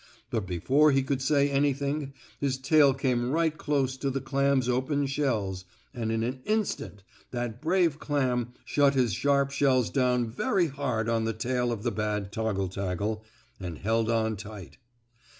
But before he could say anything, his tail came right close to the clam's open shells, and in an instant that brave clam shut his sharp shells down very hard on the tail of the bad toggle taggle and held on tight.